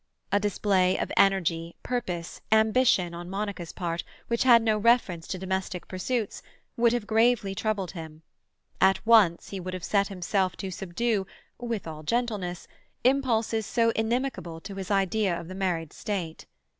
A display of energy, purpose, ambition, on Monica's part, which had no reference to domestic pursuits, would have gravely troubled him; at once he would have set himself to subdue, with all gentleness, impulses so inimical to his idea of the married state.